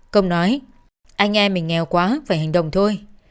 công nói anh em mình nghèo quá phải hành động thôi